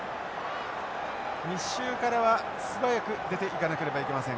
密集からは素早く出ていかなければいけません。